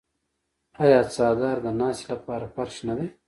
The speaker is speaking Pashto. آیا څادر د ناستې لپاره فرش نه دی؟